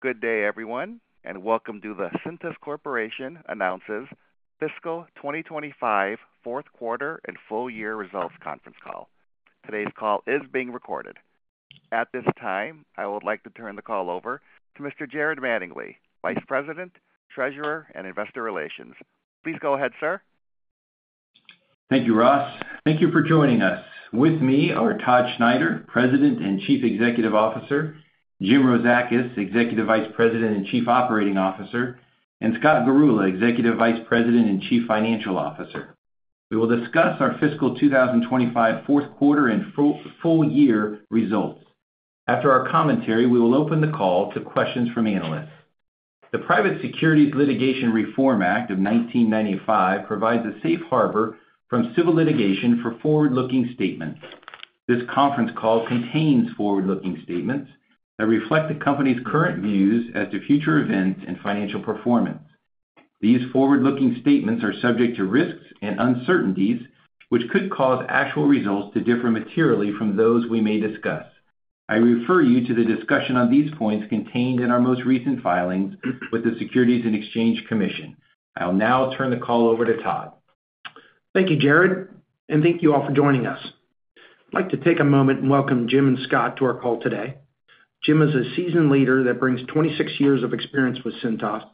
Good day, everyone, and welcome to the Cintas Corporation announces Fiscal 2025 Fourth Quarter and Full Year Results Conference Call. Today's call is being recorded. At this time, I would like to turn the call over to Mr. Jared Mattingley, VP, Treasurer, and Investor Relations. Please go ahead, sir. Thank you, Ross. Thank you for joining us. With me are Todd Schneider, President and CEO, Jim Rozakis, EVP and COO, and Scott Garula, EVP and CFO. We will discuss our fiscal 2025 fourth quarter and full year results. After our commentary, we will open the call to questions from analysts. The Private Securities Litigation Reform Act of 1995 provides a safe harbor from civil litigation for forward-looking statements. This conference call contains forward-looking statements that reflect the company's current views as to future events and financial performance. These forward-looking statements are subject to risks and uncertainties, which could cause actual results to differ materially from those we may discuss. I refer you to the discussion on these points contained in our most recent filings with the Securities and Exchange Commission. I'll now turn the call over to Todd. Thank you, Jared, and thank you all for joining us. I'd like to take a moment and welcome Jim and Scott to our call today. Jim is a seasoned leader that brings 26 years of experience with Cintas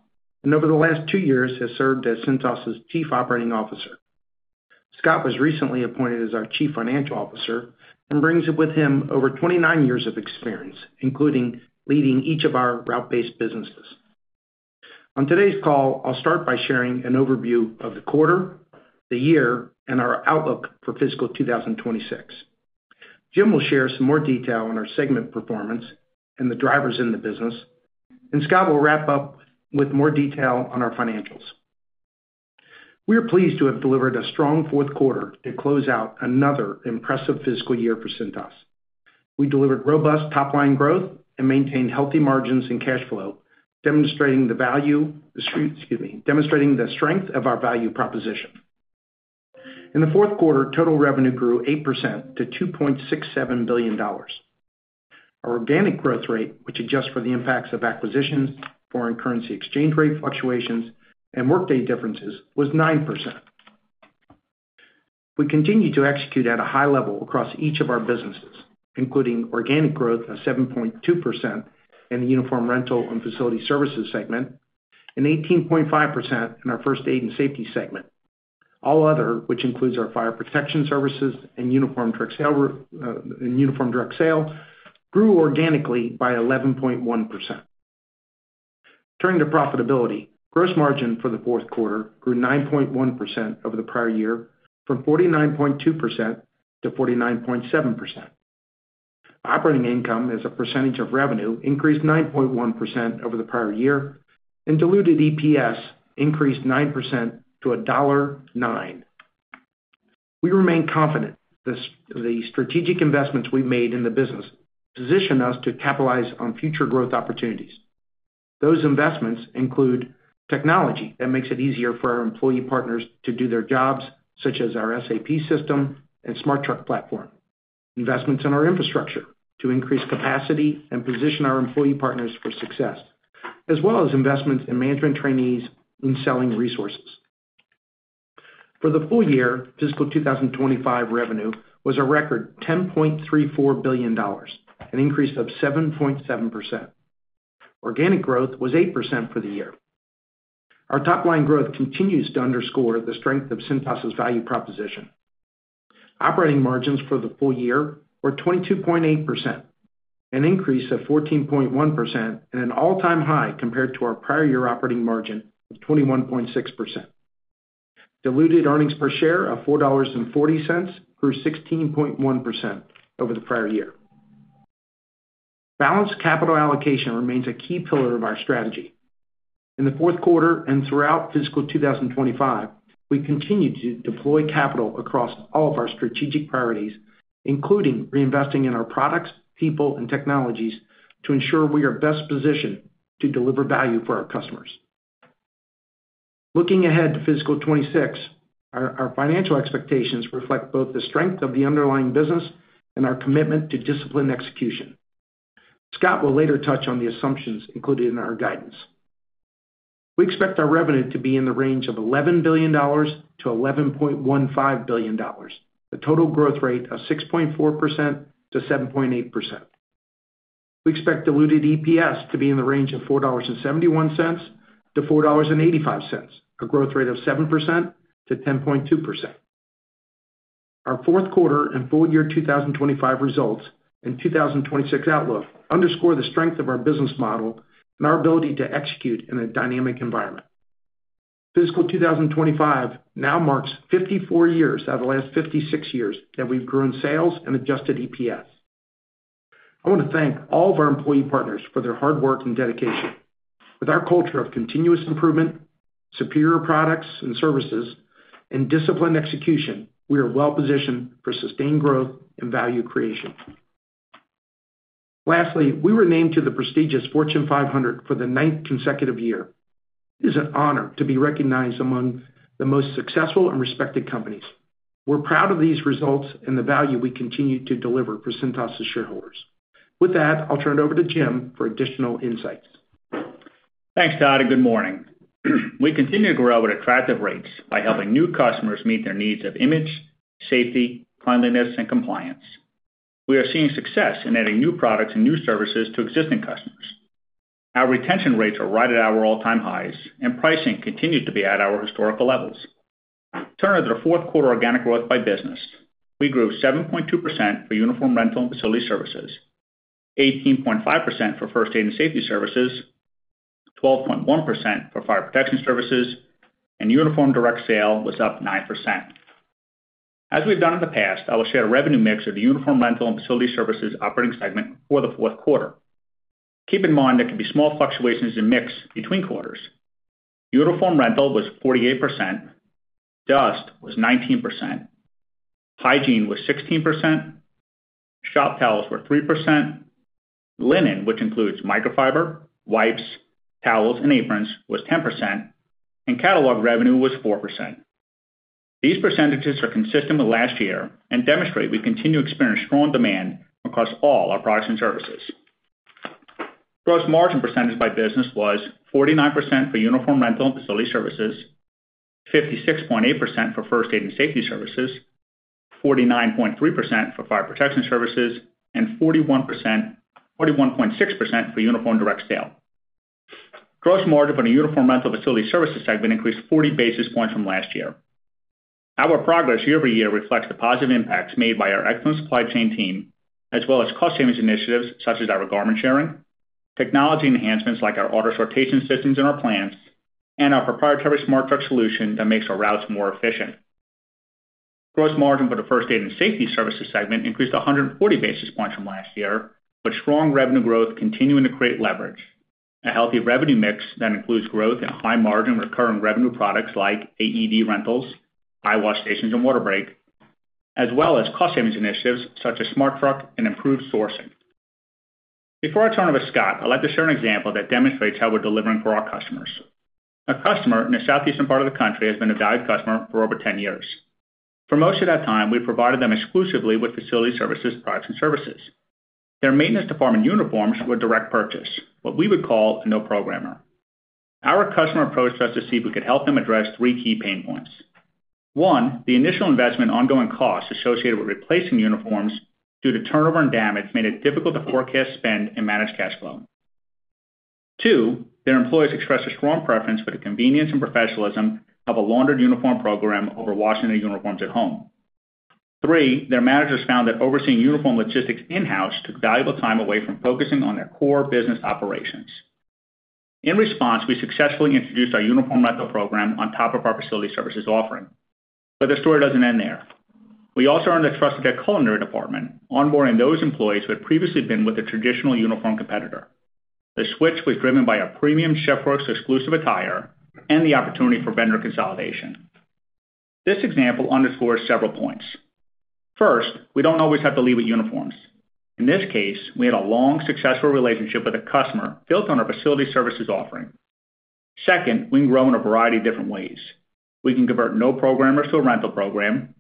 and, over the last two years, has served as Cintas' COO. Scott was recently appointed as our CFO and brings with him over 29 years of experience, including leading each of our route-based businesses. On today's call, I'll start by sharing an overview of the quarter, the year, and our outlook for fiscal 2026. Jim will share some more detail on our segment performance and the drivers in the business. And Scott will wrap up with more detail on our financials. We are pleased to have delivered a strong fourth quarter to close out another impressive fiscal year for Cintas. We delivered robust top-line growth and maintained healthy margins and cash flow, demonstrating the value. Excuse me, demonstrating the strength of our value proposition. In the fourth quarter, total revenue grew 8% to $2.67 billion. Our organic growth rate, which adjusts for the impacts of acquisitions, foreign currency exchange rate fluctuations, and workday differences, was 9%. We continue to execute at a high level across each of our businesses, including organic growth of 7.2% in the uniform rental and facility services segment and 18.5% in our first aid and safety segment. All other, which includes our fire protection services and uniform direct sale, grew organically by 11.1%. Turning to profitability, gross margin for the fourth quarter grew 9.1% over the prior year, from 49.2% to 49.7%. Operating income, as a percentage of revenue, increased 9.1% over the prior year, and diluted EPS increased 9% to $1.09. We remain confident. The strategic investments we've made in the business position us to capitalize on future growth opportunities. Those investments include technology that makes it easier for our employee partners to do their jobs, such as our SAP system and SmartTruck platform; investments in our infrastructure to increase capacity and position our employee partners for success; as well as investments in management trainees and selling resources. For the full year, fiscal 2025 revenue was a record $10.34 billion, an increase of 7.7%. Organic growth was 8% for the year. Our top-line growth continues to underscore the strength of Cintas' value proposition. Operating margins for the full year were 22.8%, an increase of 14.1% and an all-time high compared to our prior year operating margin of 21.6%. Diluted earnings per share of $4.40 grew 16.1% over the prior year. Balanced capital allocation remains a key pillar of our strategy. In the fourth quarter and throughout fiscal 2025, we continue to deploy capital across all of our strategic priorities, including reinvesting in our products, people, and technologies to ensure we are best positioned to deliver value for our customers. Looking ahead to fiscal 2026, our financial expectations reflect both the strength of the underlying business and our commitment to disciplined execution. Scott will later touch on the assumptions included in our guidance. We expect our revenue to be in the range of $11 billion-$11.15 billion, a total growth rate of 6.4%-7.8%. We expect diluted EPS to be in the range of $4.71-$4.85, a growth rate of 7%-10.2%. Our fourth quarter and full year 2025 results and 2026 outlook underscore the strength of our business model and our ability to execute in a dynamic environment. Fiscal 2025 now marks 54 years out of the last 56 years that we've grown sales and adjusted EPS. I want to thank all of our employee partners for their hard work and dedication. With our culture of continuous improvement, superior products and services, and disciplined execution, we are well positioned for sustained growth and value creation. Lastly, we were named to the prestigious Fortune 500 for the ninth consecutive year. It is an honor to be recognized among the most successful and respected companies. We're proud of these results and the value we continue to deliver for Cintas' shareholders. With that, I'll turn it over to Jim for additional insights. Thanks, Todd, and good morning. We continue to grow at attractive rates by helping new customers meet their needs of image, safety, cleanliness, and compliance. We are seeing success in adding new products and new services to existing customers. Our retention rates are right at our all-time highs, and pricing continues to be at our historical levels. Turning to the fourth quarter organic growth by business, we grew 7.2% for uniform rental and facility services, 18.5% for first aid and safety services, 12.1% for fire protection services, and uniform direct sale was up 9%. As we've done in the past, I will share a revenue mix of the uniform rental and facility services operating segment for the fourth quarter. Keep in mind there can be small fluctuations in mix between quarters. Uniform rental was 48%. Dust was 19%. Hygiene was 16%. Shop towels were 3%. Linen, which includes microfiber, wipes, towels, and aprons, was 10%, and catalog revenue was 4%. These percentages are consistent with last year and demonstrate we continue to experience strong demand across all our products and services. Gross margin percentage by business was 49% for uniform rental and facility services, 56.8% for first aid and safety services, 49.3% for fire protection services, and 41.6% for uniform direct sale. Gross margin for the uniform rental and facility services segment increased 40 basis points from last year. Our progress year-over-year reflects the positive impacts made by our excellent supply chain team, as well as cost-savings initiatives such as our garment sharing, technology enhancements like our auto sortation systems in our plants, and our proprietary SmartTruck solution that makes our routes more efficient. Gross margin for the first aid and safety services segment increased 140 basis points from last year, with strong revenue growth continuing to create leverage. A healthy revenue mix that includes growth in high-margin, recurring revenue products like AED rentals, eyewash stations, and water breaks, as well as cost-savings initiatives such as SmartTruck and improved sourcing. Before I turn it over to Scott, I'd like to share an example that demonstrates how we're delivering for our customers. A customer in the southeastern part of the country has been a valued customer for over 10 years. For most of that time, we provided them exclusively with facility services, products, and services. Their maintenance department uniforms were direct purchase, what we would call a no-programmer. Our customer approached us to see if we could help them address three key pain points. One, the initial investment ongoing costs associated with replacing uniforms due to turnover and damage made it difficult to forecast spend and manage cash flow. Two, their employees expressed a strong preference for the convenience and professionalism of a laundered uniform program over washing their uniforms at home. Three, their managers found that overseeing uniform logistics in-house took valuable time away from focusing on their core business operations. In response, we successfully introduced our uniform rental program on top of our facility services offering. But the story doesn't end there. We also earned the trust of their culinary department, onboarding those employees who had previously been with a traditional uniform competitor. The switch was driven by our premium chef's work exclusive attire and the opportunity for vendor consolidation. This example underscores several points. First, we don't always have to lead with uniforms. In this case, we had a long, successful relationship with a customer built on our facility services offering. Second, we can grow in a variety of different ways. We can convert no-programmer to a rental program.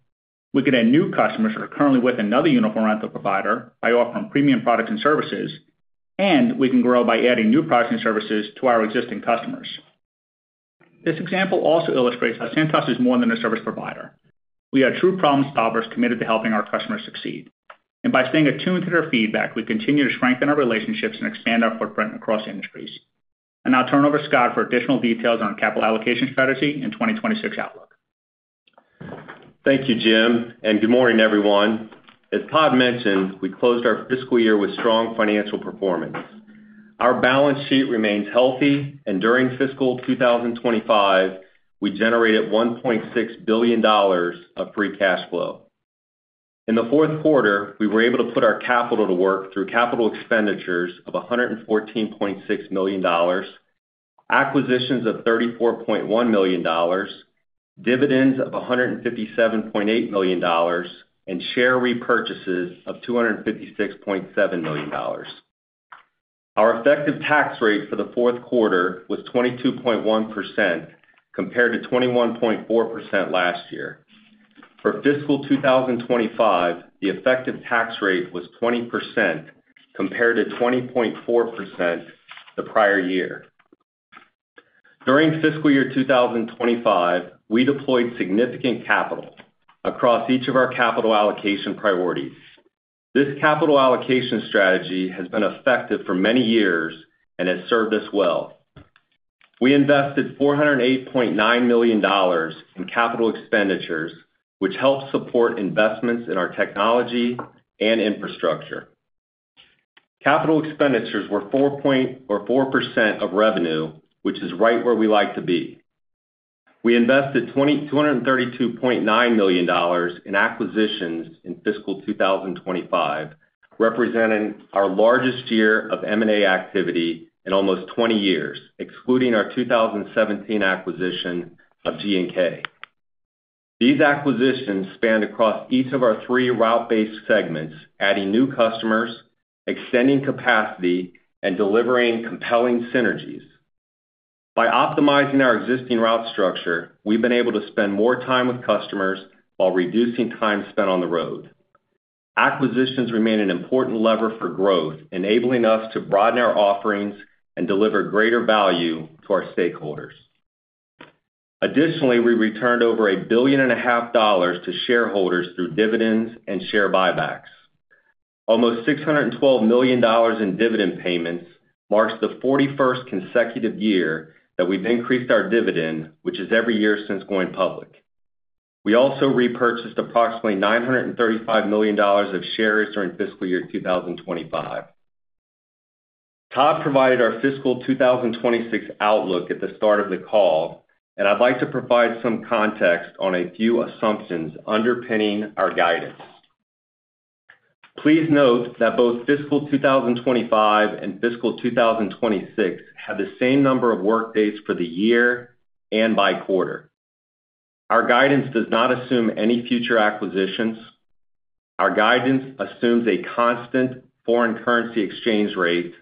We can add new customers that are currently with another uniform rental provider by offering premium products and services, and we can grow by adding new products and services to our existing customers. This example also illustrates how Cintas is more than a service provider. We are true problem solvers committed to helping our customers succeed. And by staying attuned to their feedback, we continue to strengthen our relationships and expand our footprint across industries. And I'll turn it over to Scott for additional details on our capital allocation strategy and 2026 outlook. Thank you, Jim, and good morning, everyone. As Todd mentioned, we closed our fiscal year with strong financial performance. Our balance sheet remains healthy, and during fiscal 2025, we generated $1.6 billion of free cash flow. In the fourth quarter, we were able to put our capital to work through capital expenditures of $114.6 million, acquisitions of $34.1 million, dividends of $157.8 million, and share repurchases of $256.7 million. Our effective tax rate for the fourth quarter was 22.1%, compared to 21.4% last year. For fiscal 2025, the effective tax rate was 20%, compared to 20.4% the prior year. During fiscal year 2025, we deployed significant capital across each of our capital allocation priorities. This capital allocation strategy has been effective for many years and has served us well. We invested $408.9 million in capital expenditures, which helped support investments in our technology and infrastructure. Capital expenditures were 4% of revenue, which is right where we like to be. We invested $232.9 million in acquisitions in fiscal 2025, representing our largest year of M&A activity in almost 20 years, excluding our 2017 acquisition of G&K. These acquisitions spanned across each of our three route-based segments, adding new customers, extending capacity, and delivering compelling synergies. By optimizing our existing route structure, we've been able to spend more time with customers while reducing time spent on the road. Acquisitions remain an important lever for growth, enabling us to broaden our offerings and deliver greater value to our stakeholders. Additionally, we returned over $1.5 billion to shareholders through dividends and share buybacks. Almost $612 million in dividend payments marks the 41st consecutive year that we've increased our dividend, which is every year since going public. We also repurchased approximately $935 million of shares during fiscal year 2025. Todd provided our fiscal 2026 outlook at the start of the call, and I'd like to provide some context on a few assumptions underpinning our guidance. Please note that both fiscal 2025 and fiscal 2026 have the same number of workdays for the year and by quarter. Our guidance does not assume any future acquisitions. Our guidance assumes a constant foreign currency exchange rate.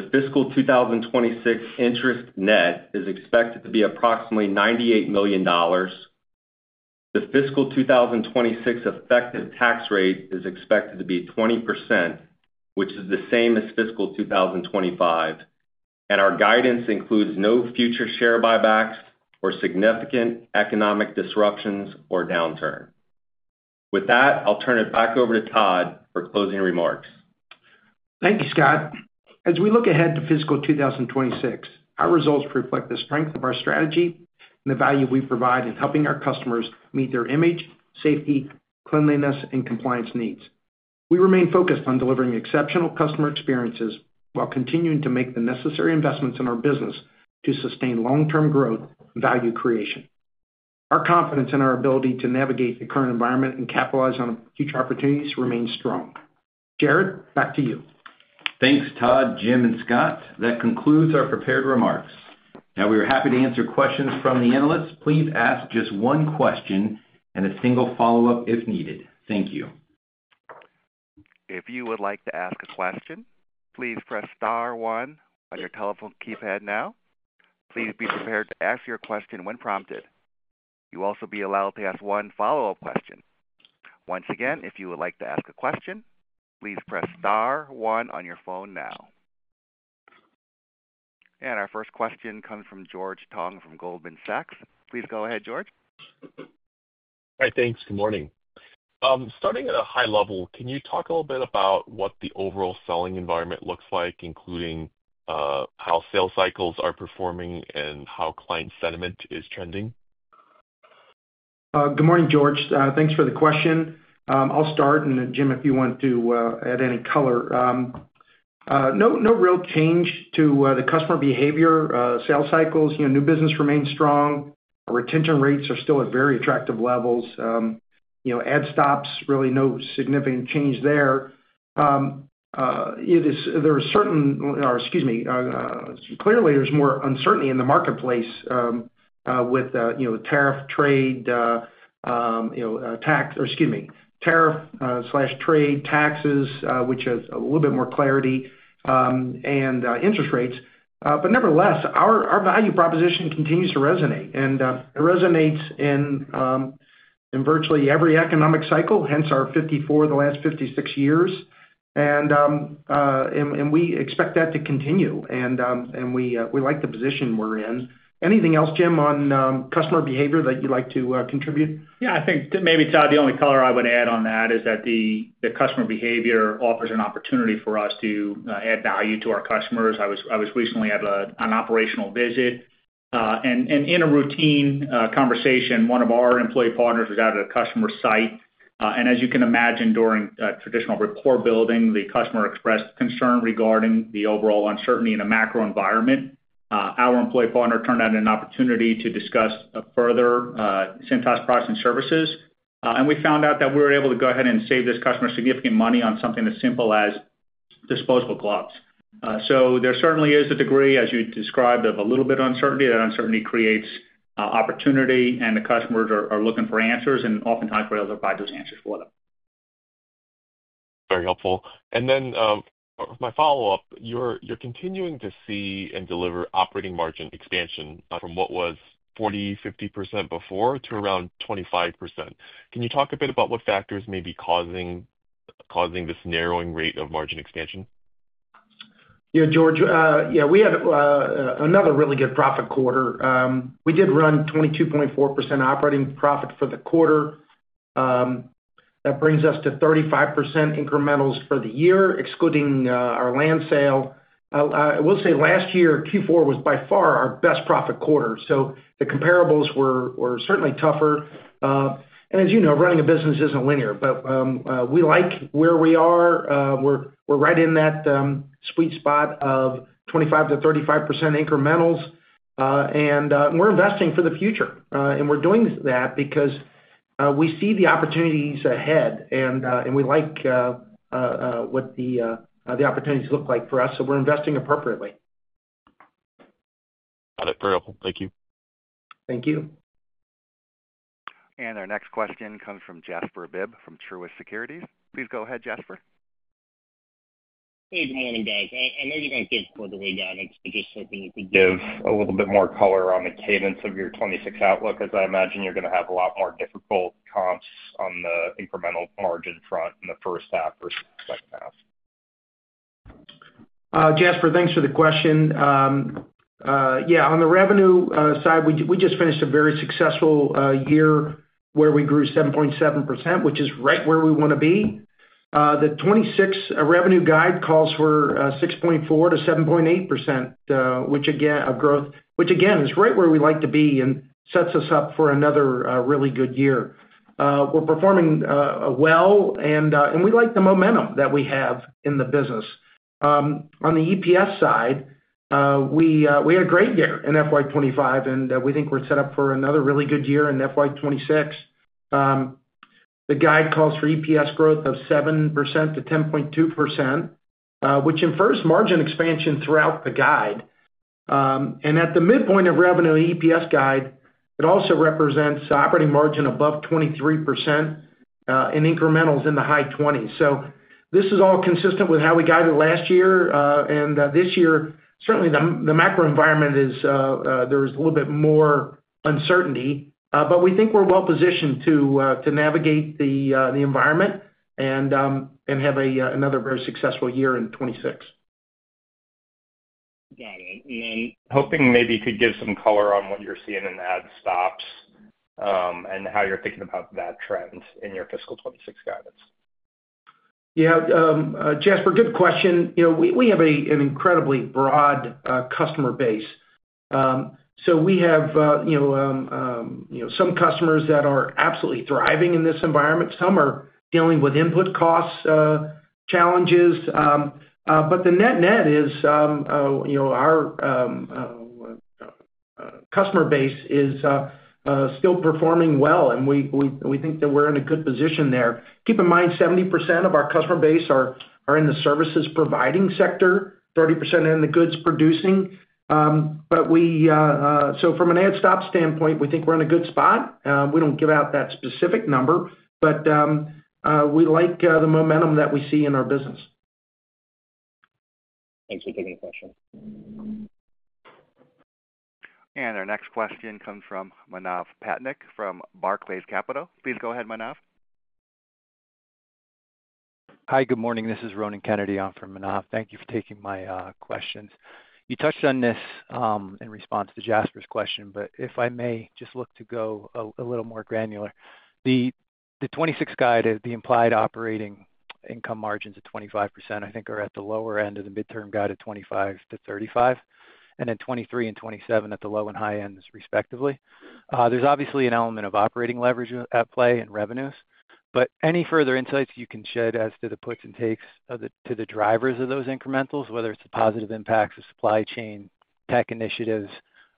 The fiscal 2026 net interest is expected to be approximately $98 million. The fiscal 2026 effective tax rate is expected to be 20%, which is the same as fiscal 2025, and our guidance includes no future share buybacks or significant economic disruptions or downturn. With that, I'll turn it back over to Todd for closing remarks. Thank you, Scott. As we look ahead to fiscal 2026, our results reflect the strength of our strategy and the value we provide in helping our customers meet their image, safety, cleanliness, and compliance needs. We remain focused on delivering exceptional customer experiences while continuing to make the necessary investments in our business to sustain long-term growth and value creation. Our confidence in our ability to navigate the current environment and capitalize on future opportunities remains strong. Jared, back to you. Thanks, Todd, Jim, and Scott. That concludes our prepared remarks. Now, we are happy to answer questions from the analysts. Please ask just one question and a single follow-up if needed. Thank you. If you would like to ask a question, please press star one on your telephone keypad now. Please be prepared to ask your question when prompted. You'll also be allowed to ask one follow-up question. Once again, if you would like to ask a question, please press star one on your phone now. And our first question comes from George Tong from Goldman Sachs. Please go ahead, George. Hi, thanks. Good morning. Starting at a high level, can you talk a little bit about what the overall selling environment looks like, including how sales cycles are performing and how client sentiment is trending? Good morning, George. Thanks for the question. I'll start, and Jim, if you want to add any color. No real change to the customer behavior. Sales cycles, new business remains strong. Retention rates are still at very attractive levels. Add stops really no significant change there. There is—excuse me—clearly, there's more uncertainty in the marketplace with tariff/trade taxes, which has a little bit more clarity and interest rates. But nevertheless, our value proposition continues to resonate. And it resonates in virtually every economic cycle, hence our 54, the last 56 years. We expect that to continue. And we like the position we're in. Anything else, Jim, on customer behavior that you'd like to contribute? Yeah, I think maybe, Todd, the only color I would add on that is that the customer behavior offers an opportunity for us to add value to our customers. I was recently at an operational visit. And in a routine conversation, one of our employee partners was at a customer site. And as you can imagine, during traditional rapport building, the customer expressed concern regarding the overall uncertainty in a macro environment. Our employee partner turned out an opportunity to discuss further Cintas products and services. And we found out that we were able to go ahead and save this customer significant money on something as simple as disposable gloves. So there certainly is a degree, as you described, of a little bit of uncertainty. That uncertainty creates opportunity, and the customers are looking for answers, and oftentimes, we're able to provide those answers for them. Very helpful. And then, my follow-up: you're continuing to see and deliver operating margin expansion from what was 40%-50% before to around 25%. Can you talk a bit about what factors may be causing this narrowing rate of margin expansion? Yeah, George. Yeah, we had another really good profit quarter. We did run 22.4% operating profit for the quarter. That brings us to 35% incrementals for the year, excluding our land sale. I will say last year, Q4 was by far our best profit quarter. So the comparables were certainly tougher. And as you know, running a business isn't linear. But we like where we are. We're right in that sweet spot of 25%-35% incrementals. And we're investing for the future. And we're doing that because we see the opportunities ahead. And we like what the opportunities look like for us. So we're investing appropriately. Got it. Very helpful. Thank you. Thank you. Our next question comes from Jasper Bibb from Truist Securities. Please go ahead, Jasper. Hey, good morning, guys. I know you're going to thank me for the way you got it. I just think you could give a little bit more color on the cadence of your 2026 outlook, as I imagine you're going to have a lot more difficult comps on the incremental margin front in the first half versus the second half. Jasper, thanks for the question. Yeah, on the revenue side, we just finished a very successful year where we grew 7.7%, which is right where we want to be. The 2026 revenue guide calls for 6.4%-7.8%, which, again, is right where we like to be and sets us up for another really good year. We're performing well, and we like the momentum that we have in the business. On the EPS side, we had a great year in FY 2025, and we think we're set up for another really good year in FY 2026. The guide calls for EPS growth of 7%-10.2%, which infers margin expansion throughout the guide, and at the midpoint of revenue EPS guide, it also represents operating margin above 23%. And incrementals in the high 20s. So this is all consistent with how we guided last year, and this year, certainly, the macro environment is, there is a little bit more uncertainty. But we think we're well positioned to navigate the environment and have another very successful year in 2026. Got it. And then hoping maybe you could give some color on what you're seeing in the add stops. And how you're thinking about that trend in your fiscal 2026 guidance? Yeah, Jasper, good question. We have an incredibly broad customer base. So we have some customers that are absolutely thriving in this environment. Some are dealing with input cost challenges. But the net-net is our customer base is still performing well. And we think that we're in a good position there. Keep in mind, 70% of our customer base are in the services providing sector, 30% in the goods producing. But so from an add/stop standpoint, we think we're in a good spot. We don't give out that specific number. But we like the momentum that we see in our business. Thanks for taking the question. And our next question comes from Manav Patnaik from Barclays Capital. Please go ahead, Manav. Hi, good morning. This is Ronan Kennedy. I'm from Barclays. Thank you for taking my questions. You touched on this in response to Jasper's question, but if I may just look to go a little more granular. The 2026 guide, the implied operating income margins at 25%, I think, are at the lower end of the midterm guide at 25%-35%. And then 2023 and 2027 at the low and high ends, respectively. There's obviously an element of operating leverage at play in revenues. But any further insights you can shed as to the puts and takes to the drivers of those incrementals, whether it's the positive impacts of supply chain tech initiatives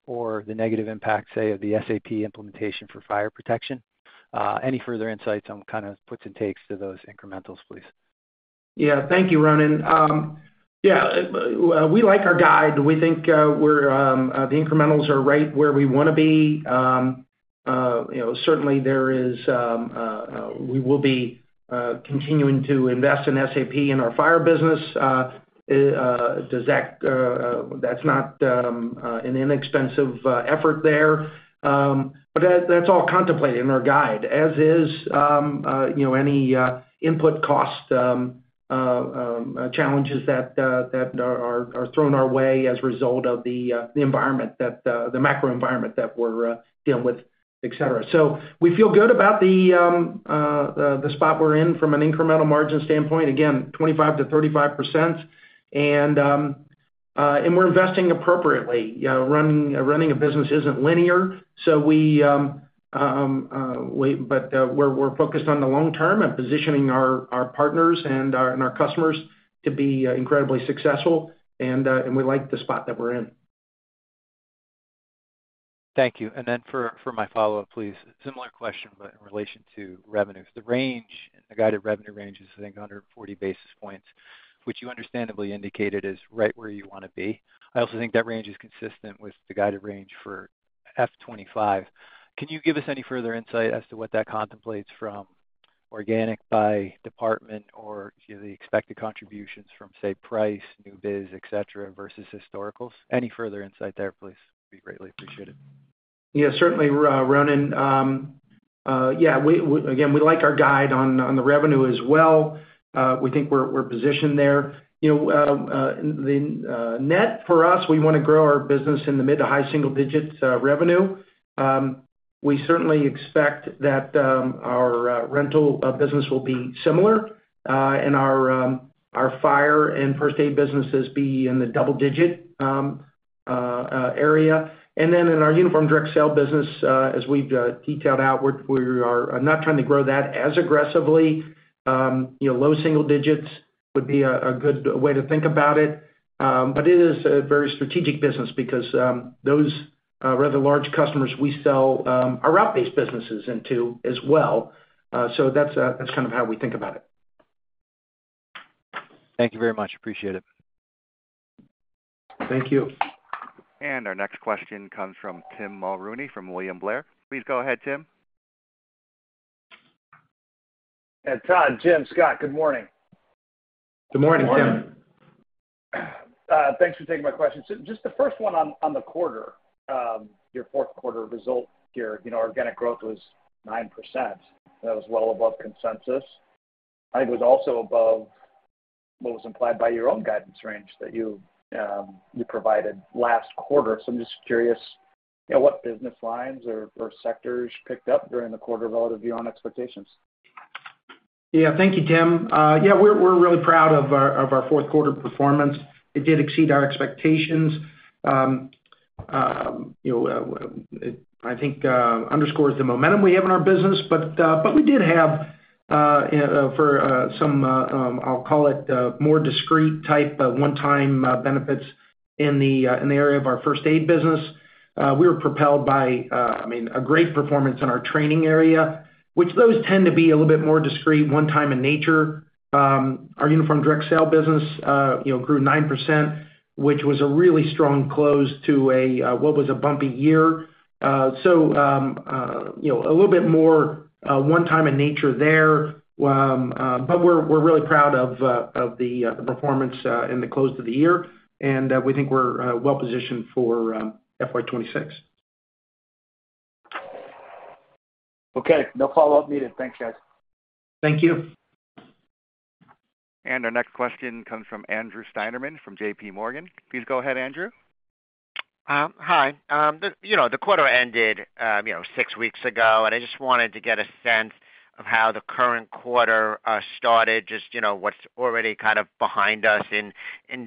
or the negative impact, say, of the SAP implementation for fire protection? Any further insights on kind of puts and takes to those incrementals, please. Yeah, thank you, Ronan. Yeah, we like our guide. We think the incrementals are right where we want to be. Certainly, we will be continuing to invest in SAP in our fire business. That's not an inexpensive effort there. But that's all contemplated in our guide, as is any input cost challenges that are thrown our way as a result of the environment, the macro environment that we're dealing with, etc. So we feel good about the spot we're in from an incremental margin standpoint. Again, 25%-35%. We're investing appropriately. Running a business isn't linear. So we're focused on the long term and positioning our partners and our customers to be incredibly successful. We like the spot that we're in. Thank you. And then for my follow-up, please, similar question, but in relation to revenues. The range in the guided revenue range is, I think, 140 basis points, which you understandably indicated is right where you want to be. I also think that range is consistent with the guided range for F 2025. Can you give us any further insight as to what that contemplates, from organic by department or the expected contributions from, say, price, new biz, etc., versus historicals? Any further insight there, please? Would be greatly appreciated. Yeah, certainly, Ronan. Yeah, again, we like our guide on the revenue as well. We think we're positioned there. The net for us, we want to grow our business in the mid- to high-single-digit revenue. We certainly expect that. Our rental business will be similar. And our fire and first-aid businesses be in the double-digit area. And then in our uniform direct sale business, as we've detailed out, we are not trying to grow that as aggressively. Low single digits would be a good way to think about it. But it is a very strategic business because those rather large customers we sell our route-based businesses into as well. So that's kind of how we think about it. Thank you very much. Appreciate it. Thank you. And our next question comes from Tim Mulrooney from William Blair. Please go ahead, Tim. Todd, Jim, Scott, good morning. Good morning, Tim. Morning. Thanks for taking my question. So just the first one on the quarter, your fourth quarter result here, organic growth was 9%. That was well above consensus. I think it was also above what was implied by your own guidance range that you provided last quarter. So I'm just curious what business lines or sectors picked up during the quarter relative to your own expectations. Yeah, thank you, Tim. Yeah, we're really proud of our fourth-quarter performance. It did exceed our expectations. I think it underscores the momentum we have in our business. But we did have, for some, I'll call it more discrete-type one-time benefits in the area of our first-aid business. We were propelled by, I mean, a great performance in our training area, which those tend to be a little bit more discrete, one-time in nature. Our uniform direct sale business grew 9%, which was a really strong close to what was a bumpy year. So, a little bit more one-time in nature there. But we're really proud of the performance and the close to the year, and we think we're well positioned for FY 2026. Okay. No follow-up needed. Thanks, guys. Thank you. Our next question comes from Andrew Steinerman from JPMorgan. Please go ahead, Andrew. Hi. The quarter ended six weeks ago, and I just wanted to get a sense of how the current quarter started, just what's already kind of behind us in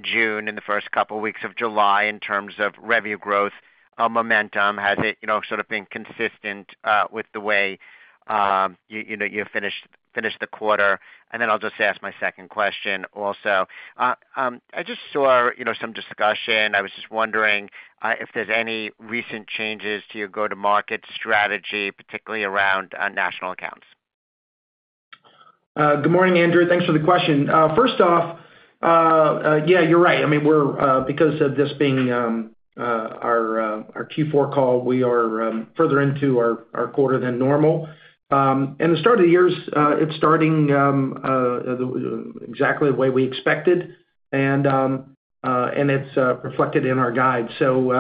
June and the first couple of weeks of July in terms of revenue growth momentum. Has it sort of been consistent with the way you finished the quarter? And then I'll just ask my second question also. I just saw some discussion. I was just wondering if there's any recent changes to your go-to-market strategy, particularly around national accounts. Good morning, Andrew. Thanks for the question. First off, yeah, you're right. I mean, because of this being our Q4 call, we are further into our quarter than normal, and the start of the year is starting exactly the way we expected, and it's reflected in our guide. So,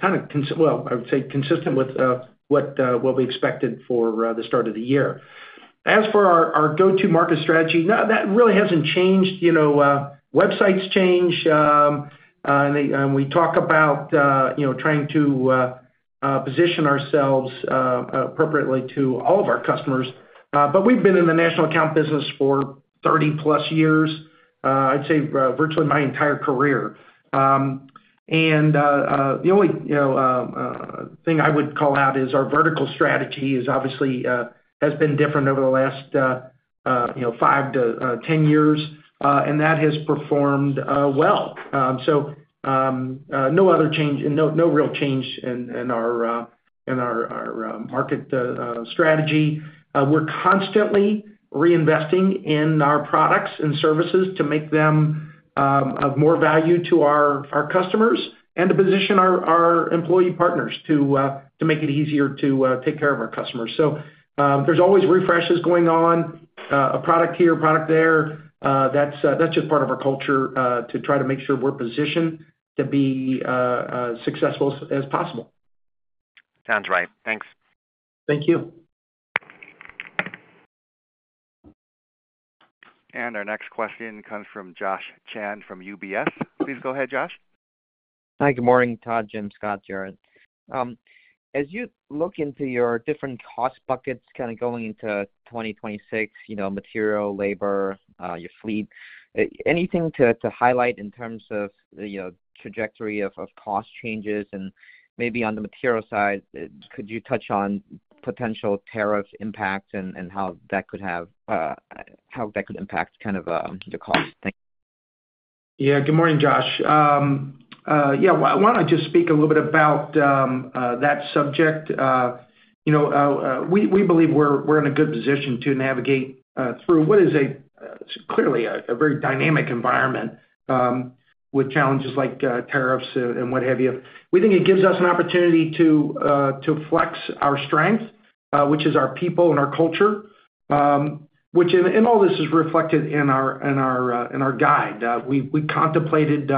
kind of, well, I would say consistent with what we expected for the start of the year. As for our go-to-market strategy, that really hasn't changed. Websites change, and we talk about trying to position ourselves appropriately to all of our customers. But we've been in the national account business for 30-plus years, I'd say virtually my entire career, and the only thing I would call out is our vertical strategy has obviously been different over the last 5-10 years, and that has performed well. So, no other change and no real change in our market strategy. We're constantly reinvesting in our products and services to make them of more value to our customers and to position our employee partners to make it easier to take care of our customers. So there's always refreshes going on. A product here, a product there. That's just part of our culture to try to make sure we're positioned to be as successful as possible. Sounds right. Thanks. Thank you. And our next question comes from Josh Chan from UBS. Please go ahead, Josh. Hi, good morning. Todd, Jim, Scott, Jared. As you look into your different cost buckets kind of going into 2026, material, labor, your fleet, anything to highlight in terms of the trajectory of cost changes? And maybe on the material side, could you touch on potential tariff impacts and how that could have. How that could impact kind of the cost? Yeah, good morning, Josh. Yeah, I want to just speak a little bit about that subject. We believe we're in a good position to navigate through what is clearly a very dynamic environment with challenges like tariffs and what have you. We think it gives us an opportunity to flex our strength, which is our people and our culture, which in all this is reflected in our guide. We contemplated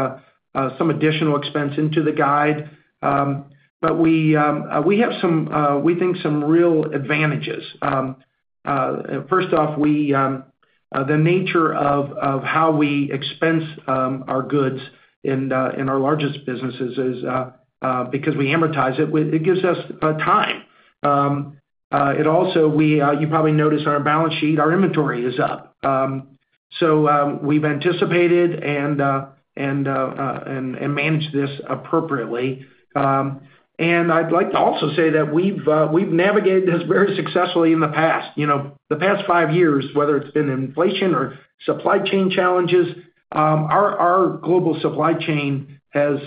some additional expense into the guide. But we have some, we think, some real advantages. First off, the nature of how we expense our goods in our largest businesses is because we amortize it, it gives us time. It also, you probably noticed on our balance sheet, our inventory is up. So we've anticipated and managed this appropriately. And I'd like to also say that we've navigated this very successfully in the past five years, whether it's been inflation or supply chain challenges. Our global supply chain has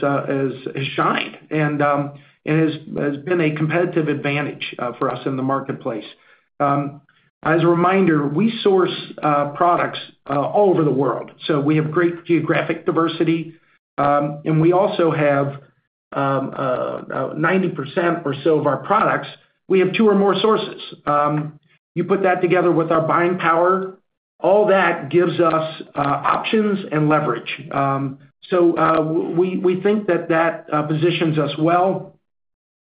shined and has been a competitive advantage for us in the marketplace. As a reminder, we source products all over the world, so we have great geographic diversity. And we also have 90% or so of our products, we have two or more sources. You put that together with our buying power, all that gives us options and leverage. So we think that that positions us well.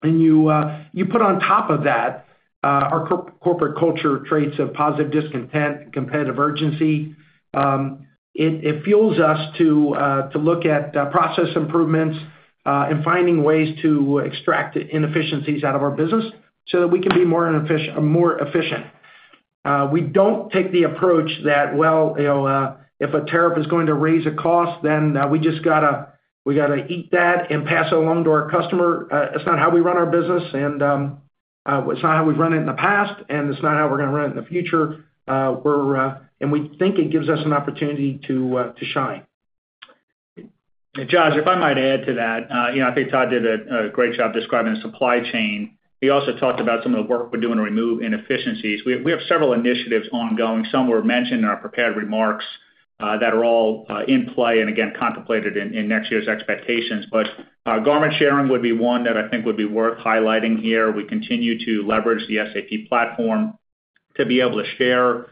And you put on top of that our corporate culture traits of positive discontent, competitive urgency. It fuels us to look at process improvements and finding ways to extract inefficiencies out of our business so that we can be more efficient. We don't take the approach that, well, if a tariff is going to raise a cost, then we just got to eat that and pass it along to our customer. It's not how we run our business. And it's not how we've run it in the past. And it's not how we're going to run it in the future. And we think it gives us an opportunity to shine. Josh, if I might add to that, I think Todd did a great job describing the supply chain. He also talked about some of the work we're doing to remove inefficiencies. We have several initiatives ongoing. Some were mentioned in our prepared remarks that are all in play and, again, contemplated in next year's expectations. But garment sharing would be one that I think would be worth highlighting here. We continue to leverage the SAP platform to be able to share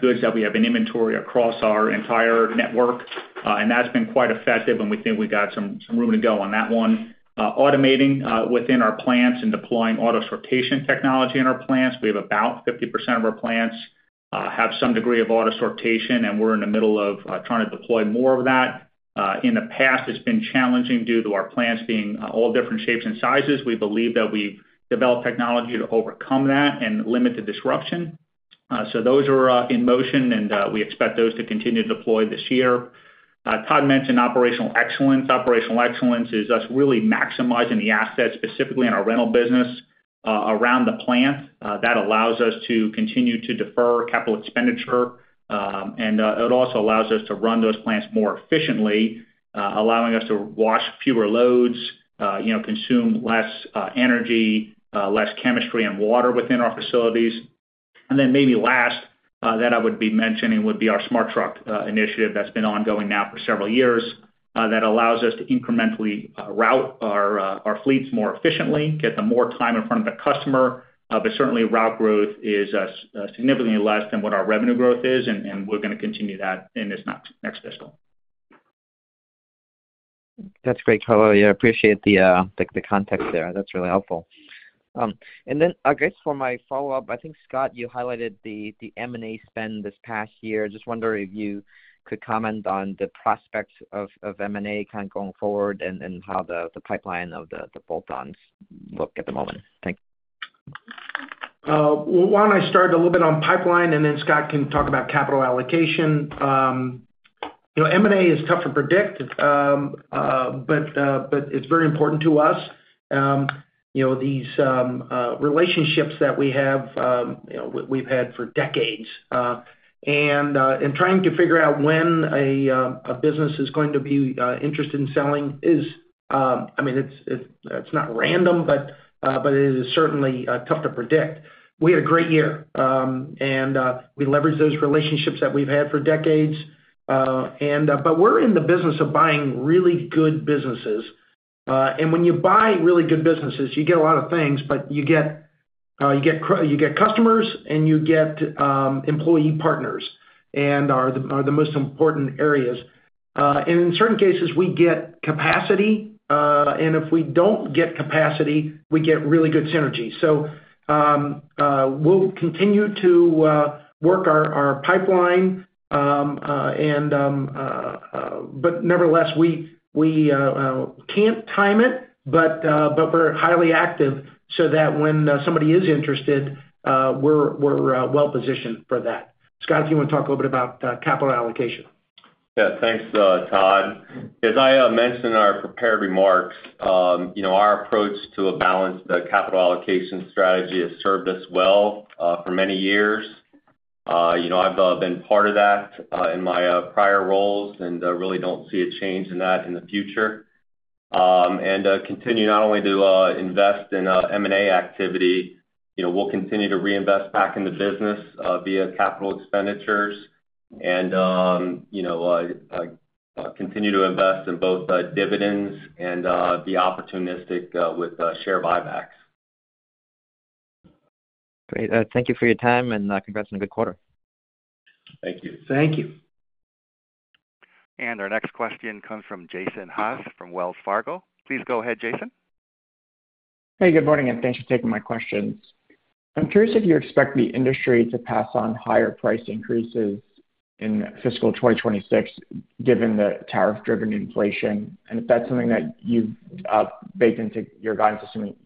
goods that we have in inventory across our entire network. And that's been quite effective. And we think we got some room to go on that one. Automating within our plants and deploying auto sortation technology in our plants. We have about 50% of our plants have some degree of auto sortation. And we're in the middle of trying to deploy more of that. In the past, it's been challenging due to our plants being all different shapes and sizes. We believe that we've developed technology to overcome that and limit the disruption. So those are in motion. And we expect those to continue to deploy this year. Todd mentioned operational excellence. Operational excellence is us really maximizing the assets, specifically in our rental business. Around the plant. That allows us to continue to defer capital expenditure. And it also allows us to run those plants more efficiently, allowing us to wash fewer loads, consume less energy, less chemistry, and water within our facilities. And then maybe last that I would be mentioning would be our SmartTruck initiative that's been ongoing now for several years that allows us to incrementally route our fleets more efficiently, get more time in front of the customer. But certainly, route growth is significantly less than what our revenue growth is. And we're going to continue that in this next fiscal. That's great, color. Yeah, I appreciate the context there. That's really helpful. And then I guess for my follow-up, I think, Scott, you highlighted the M&A spend this past year. Just wondering if you could comment on the prospects of M&A kind of going forward and how the pipeline of the bolt-ons look at the moment? Thank you. Well, why don't I start a little bit on pipeline? And then Scott can talk about capital allocation. M&A is tough to predict. But it's very important to us. These relationships that we have, we've had for decades. And trying to figure out when a business is going to be interested in selling is, I mean, it's not random, but it is certainly tough to predict. We had a great year. And we leverage those relationships that we've had for decades. But we're in the business of buying really good businesses. And when you buy really good businesses, you get a lot of things, but you get customers and you get employee partners and are the most important areas. And in certain cases, we get capacity. And if we don't get capacity, we get really good synergy. So, we'll continue to work our pipeline. But nevertheless, we can't time it, but we're highly active so that when somebody is interested, we're well positioned for that. Scott, if you want to talk a little bit about capital allocation. Yeah, thanks, Todd. As I mentioned in our prepared remarks, our approach to balance the capital allocation strategy has served us well for many years. I've been part of that in my prior roles and really don't see a change in that in the future. And continue not only to invest in M&A activity, we'll continue to reinvest back in the business via capital expenditures and continue to invest in both dividends and be opportunistic with share buybacks. Great. Thank you for your time, and congrats on a good quarter. Thank you. Thank you. Our next question comes from Jason Haas from Wells Fargo. Please go ahead, Jason. Hey, good morning. And thanks for taking my questions. I'm curious if you expect the industry to pass on higher price increases in fiscal 2026 given the tariff-driven inflation? And if that's something that you've baked into your guidance, assuming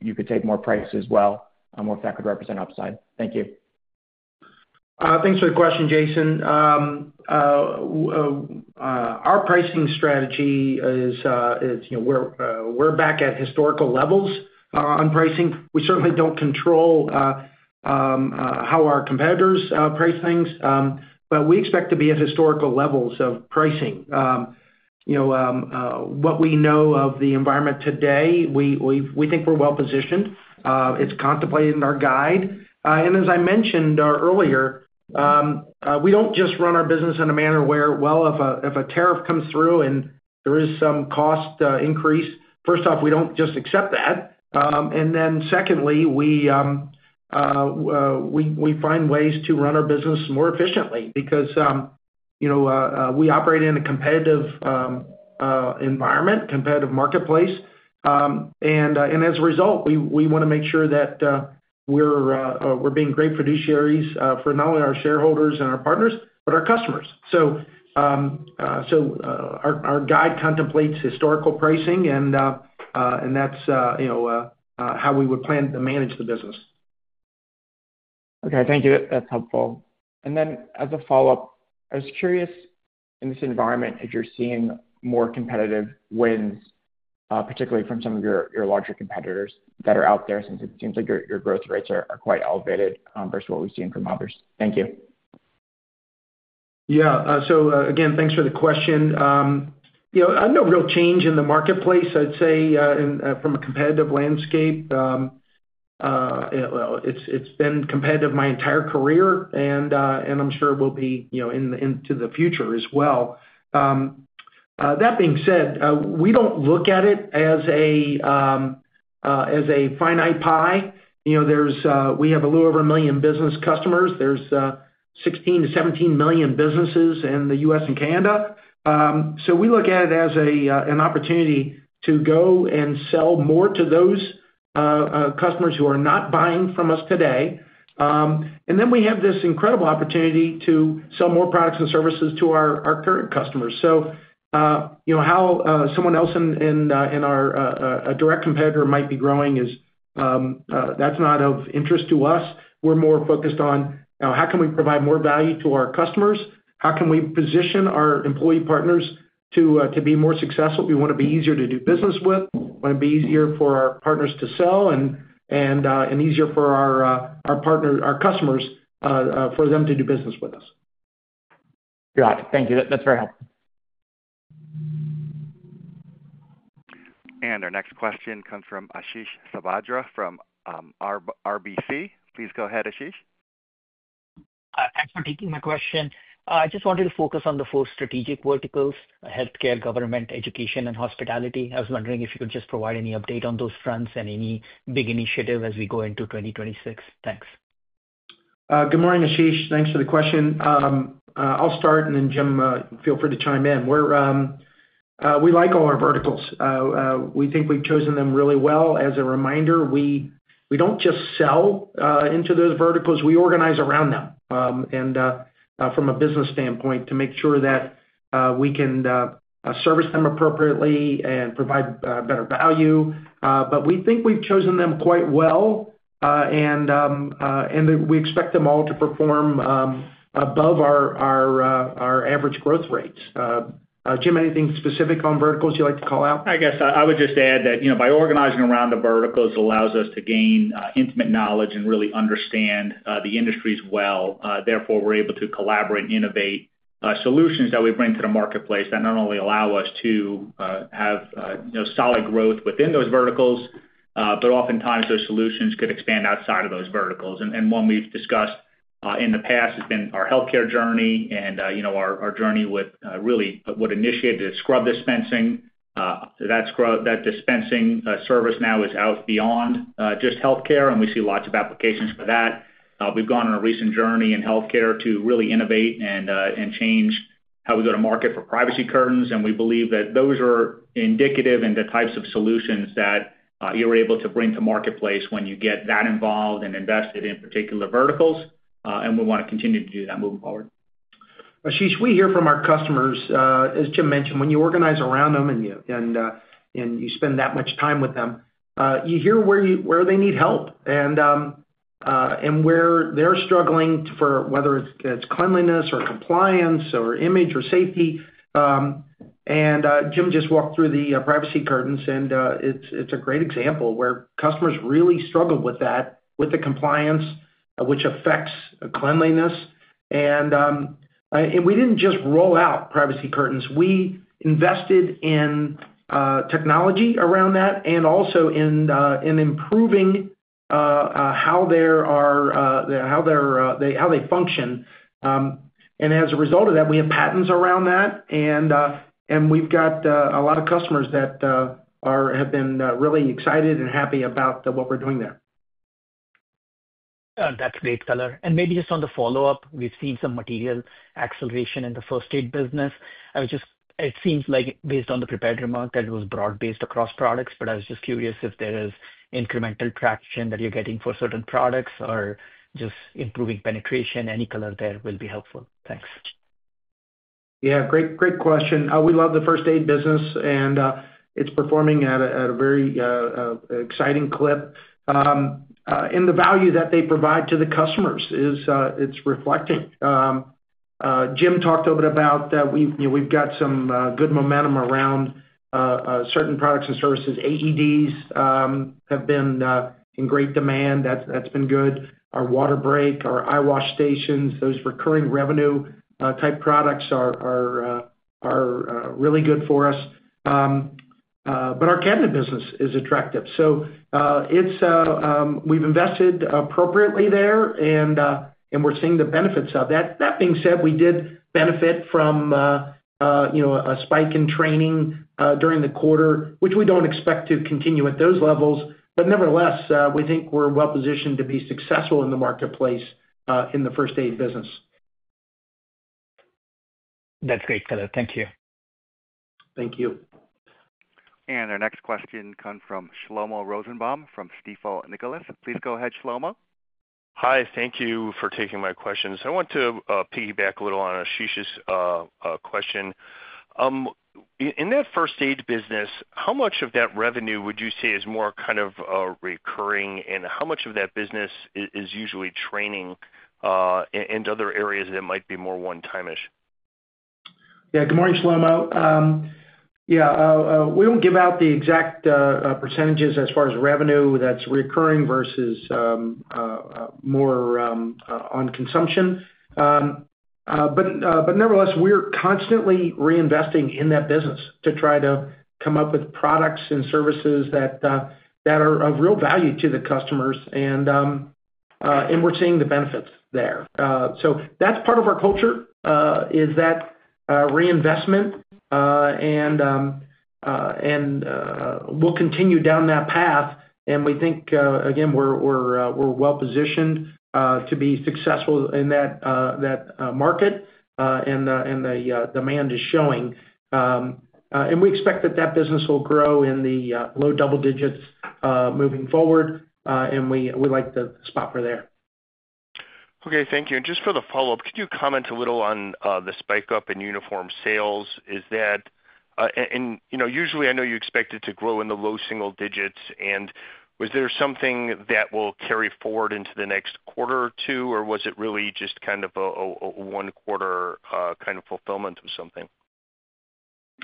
you could take more prices well, or if that could represent upside? Thank you. Thanks for the question, Jason. Our pricing strategy is we're back at historical levels on pricing. We certainly don't control how our competitors price things. But we expect to be at historical levels of pricing. What we know of the environment today, we think we're well positioned. It's contemplated in our guide. And as I mentioned earlier, we don't just run our business in a manner where if a tariff comes through and there is some cost increase, first off, we don't just accept that. And then secondly, we find ways to run our business more efficiently because we operate in a competitive environment, competitive marketplace. And as a result, we want to make sure that we're being great fiduciaries for not only our shareholders and our partners, but our customers. Our guide contemplates historical pricing. And that's how we would plan to manage the business. Okay. Thank you. That's helpful. And then as a follow-up, I was curious. In this environment, if you're seeing more competitive wins, particularly from some of your larger competitors that are out there since it seems like your growth rates are quite elevated versus what we've seen from others? Thank you. Yeah. So again, thanks for the question. I have no real change in the marketplace, I'd say, from a competitive landscape. It's been competitive my entire career, and I'm sure it will be into the future as well. That being said, we don't look at it as a finite pie. We have a little over a million business customers. There's 16-17 million businesses in the U.S. and Canada. So we look at it as an opportunity to go and sell more to those customers who are not buying from us today. And then we have this incredible opportunity to sell more products and services to our current customers. So how someone else in our direct competitor might be growing is that's not of interest to us. We're more focused on how can we provide more value to our customers? How can we position our employee partners to be more successful? We want to be easier to do business with. We want to be easier for our partners to sell and easier for our customers to do business with us. Got it. Thank you. That's very helpful. And our next question comes from Ashish Sabadra from RBC. Please go ahead, Ashish. Thanks for taking my question. I just wanted to focus on the four strategic verticals: healthcare, government, education, and hospitality. I was wondering if you could just provide any update on those fronts and any big initiative as we go into 2026. Thanks. Good morning, Ashish. Thanks for the question. I'll start. And then, Jim, feel free to chime in. We like all our verticals. We think we've chosen them really well. As a reminder, we don't just sell into those verticals. We organize around them. And from a business standpoint, to make sure that we can service them appropriately and provide better value. But we think we've chosen them quite well. And we expect them all to perform above our average growth rates. Jim, anything specific on verticals you'd like to call out? I guess I would just add that by organizing around the verticals, it allows us to gain intimate knowledge and really understand the industries well. Therefore, we're able to collaborate and innovate solutions that we bring to the marketplace that not only allow us to have solid growth within those verticals, but oftentimes, those solutions could expand outside of those verticals. And one we've discussed in the past has been our healthcare journey and our journey with really what initiated the scrub dispensing. That dispensing service now is out beyond just healthcare. And we see lots of applications for that. We've gone on a recent journey in healthcare to really innovate and change how we go to market for privacy curtains. And we believe that those are indicative and the types of solutions that you're able to bring to marketplace when you get that involved and invested in particular verticals. And we want to continue to do that moving forward. Ashish, we hear from our customers, as Jim mentioned, when you organize around them and you spend that much time with them, you hear where they need help and where they're struggling, whether it's cleanliness or compliance or image or safety. And Jim just walked through the privacy curtains. And it's a great example where customers really struggle with that, with the compliance, which affects cleanliness. And we didn't just roll out privacy curtains. We invested in technology around that and also in improving how they function. And as a result of that, we have patents around that. And we've got a lot of customers that have been really excited and happy about what we're doing there. That's great, color. And maybe just on the follow-up, we've seen some material acceleration in the first aid business. It seems like, based on the prepared remark, that it was broad-based across products. But I was just curious if there is incremental traction that you're getting for certain products or just improving penetration. Any color there will be helpful. Thanks. Yeah. Great question. We love the first-aid business. And it's performing at a very exciting clip. And the value that they provide to the customers is reflected. Jim talked a little bit about that we've got some good momentum around certain products and services. AEDs have been in great demand. That's been good. Our water break, our eyewash stations, those recurring revenue-type products are really good for us. But our cabinet business is attractive. So. We've invested appropriately there. And we're seeing the benefits of that. That being said, we did benefit from a spike in training during the quarter, which we don't expect to continue at those levels. But nevertheless, we think we're well positioned to be successful in the marketplace in the first-aid business. That's great, color. Thank you. Thank you. Our next question comes from Shlomo Rosenbaum from Stifel Nicolaus. Please go ahead, Shlomo. Hi. Thank you for taking my questions. I want to piggyback a little on Ashish's question. In that first-aid business, how much of that revenue would you say is more kind of recurring? And how much of that business is usually training? And other areas that might be more one-time-ish? Yeah. Good morning, Shlomo. Yeah. We don't give out the exact percentages as far as revenue that's recurring versus more on consumption. But nevertheless, we're constantly reinvesting in that business to try to come up with products and services that are of real value to the customers. And we're seeing the benefits there. So that's part of our culture, is that reinvestment. And we'll continue down that path. And we think, again, we're well positioned to be successful in that market. And the demand is showing. And we expect that that business will grow in the low double digits moving forward. And we like the spot for there. Okay. Thank you. And just for the follow-up, could you comment a little on the spike up in uniform sales? And usually, I know you expect it to grow in the low single digits. And was there something that will carry forward into the next quarter or two? Or was it really just kind of a one-quarter kind of fulfillment of something?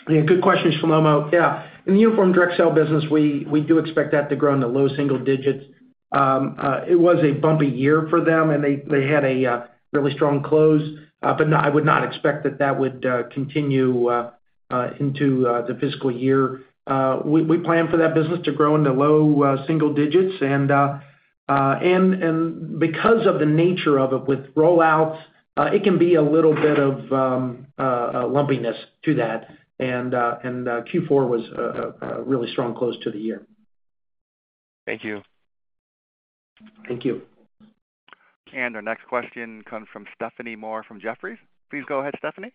Yeah. Good question, Shlomo. Yeah. In the uniform direct sale business, we do expect that to grow in the low single digits. It was a bumpy year for them. And they had a really strong close. But I would not expect that that would continue into the fiscal year. We plan for that business to grow in the low single digits. And because of the nature of it with rollouts, it can be a little bit of lumpiness to that. And Q4 was a really strong close to the year. Thank you. Thank you. Our next question comes from Stephanie Moore from Jefferies. Please go ahead, Stephanie.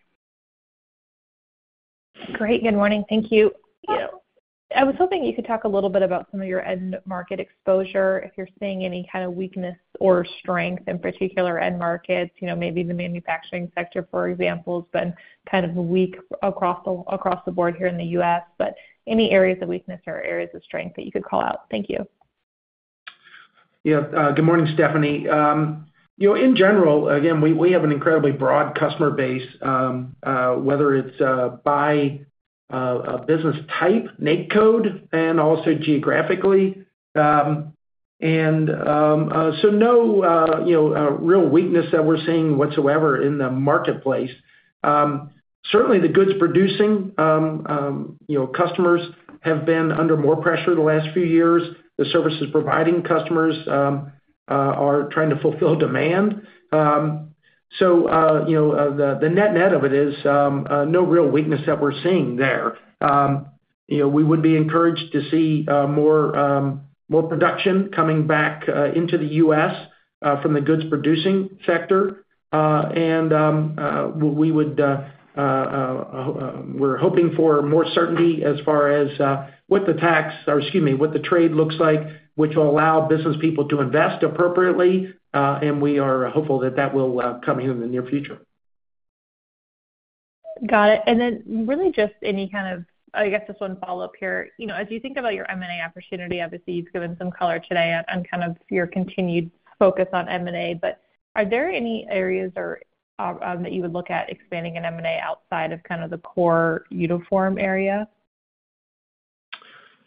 Great. Good morning. Thank you. I was hoping you could talk a little bit about some of your end market exposure, if you're seeing any kind of weakness or strength in particular end markets. Maybe the manufacturing sector, for example, has been kind of weak across the board here in the U.S. But any areas of weakness or areas of strength that you could call out? Thank you. Yeah. Good morning, Stephanie. In general, again, we have an incredibly broad customer base, whether it's by business type, NAICS code, and also geographically. And so no real weakness that we're seeing whatsoever in the marketplace. Certainly, the goods producing customers have been under more pressure the last few years. The services providing customers are trying to fulfill demand. So the net-net of it is no real weakness that we're seeing there. We would be encouraged to see more production coming back into the U.S. from the goods producing sector. And we're hoping for more certainty as far as what the tax or, excuse me, what the trade looks like, which will allow business people to invest appropriately. And we are hopeful that that will come here in the near future. Got it. And then really just any kind of, I guess, just one follow-up here. As you think about your M&A opportunity, obviously, you've given some color today on kind of your continued focus on M&A. But are there any areas that you would look at expanding an M&A outside of kind of the core uniform area?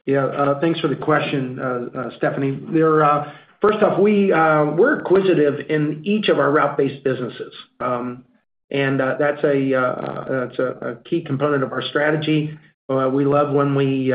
Yeah. Thanks for the question, Stephanie. First off, we're acquisitive in each of our route-based businesses, and that's a key component of our strategy. We love when we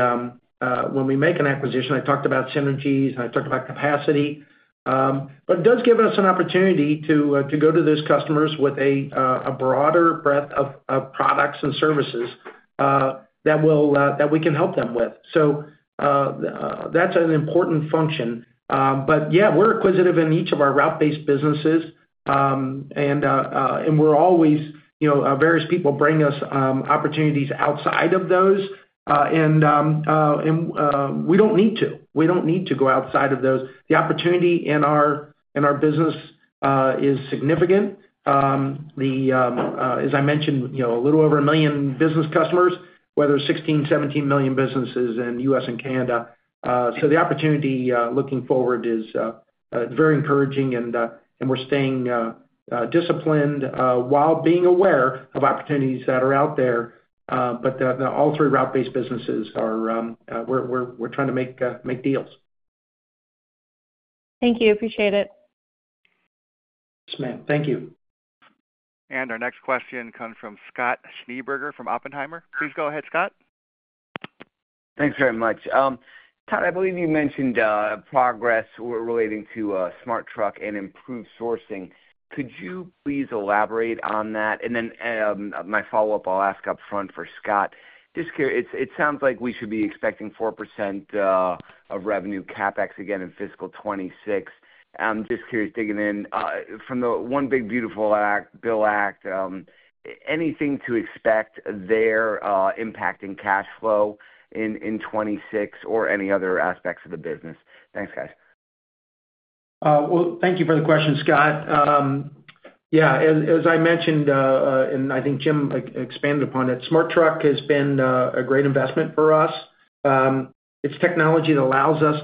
make an acquisition. I talked about synergies, and I talked about capacity. But it does give us an opportunity to go to those customers with a broader breadth of products and services that we can help them with. So that's an important function. But yeah, we're acquisitive in each of our route-based businesses. And we're always; various people bring us opportunities outside of those. We don't need to go outside of those. The opportunity in our business is significant. As I mentioned, a little over a million business customers, with over 16 million, 17 million businesses in the U.S. and Canada. So the opportunity looking forward is very encouraging. We're staying disciplined while being aware of opportunities that are out there. But all three route-based businesses, we're trying to make deals. Thank you. Appreciate it. Yes, ma'am. Thank you. And our next question comes from Scott Schneeberger from Oppenheimer. Please go ahead, Scott. Thanks very much. Todd, I believe you mentioned progress relating to smart truck and improved sourcing. Could you please elaborate on that? And then my follow-up, I'll ask upfront for Scott. Just curious, it sounds like we should be expecting 4% of revenue CapEx again in fiscal 2026. I'm just curious, digging in, from the one big beautiful bill act. Anything to expect there impacting cash flow in 2026 or any other aspects of the business? Thanks, guys. Thank you for the question, Scott. Yeah. As I mentioned, and I think Jim expanded upon it, SmartTruck has been a great investment for us. It's technology that allows us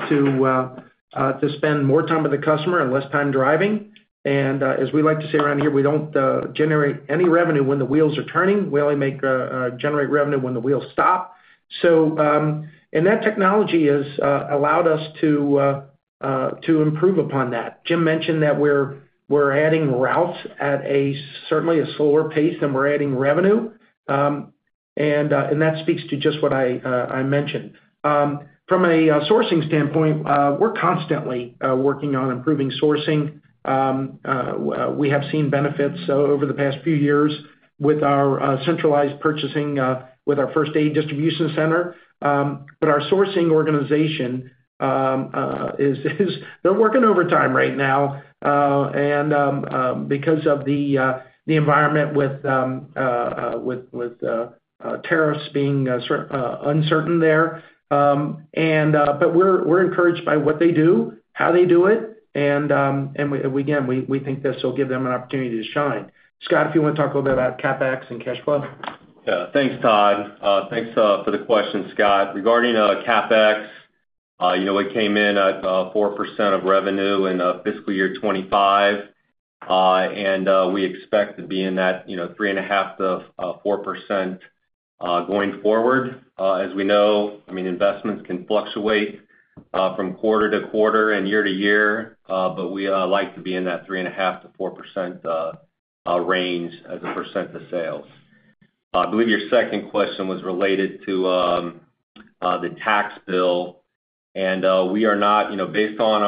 to spend more time with the customer and less time driving. And as we like to say around here, we don't generate any revenue when the wheels are turning. We only generate revenue when the wheels stop. So, and that technology has allowed us to improve upon that. Jim mentioned that we're adding routes at certainly a slower pace than we're adding revenue. And that speaks to just what I mentioned. From a sourcing standpoint, we're constantly working on improving sourcing. We have seen benefits over the past few years with our centralized purchasing with our first-aid distribution center. But our sourcing organization they're working overtime right now. And because of the environment with tariffs being uncertain there. But we're encouraged by what they do, how they do it. And again, we think this will give them an opportunity to shine. Scott, if you want to talk a little bit about CapEx and cash flow. Yeah. Thanks, Todd. Thanks for the question, Scott. Regarding CapEx. It came in at 4% of revenue in fiscal year 2025. And we expect to be in that 3.5%-4%. Going forward. As we know, I mean, investments can fluctuate from quarter to quarter and year to year. But we like to be in that 3.5%-4%. Range as a % of sales. I believe your second question was related to. The tax bill. And we are not, based on